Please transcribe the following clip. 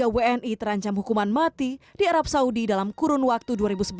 satu ratus tiga wni terancam hukuman mati di arab saudi dalam kurun waktu dua ribu sebelas dua ribu delapan belas